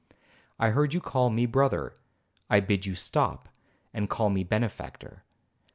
I heard you call me brother,—I bid you stop, and call me benefactor.